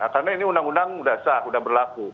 karena ini undang undang sudah sah sudah berlaku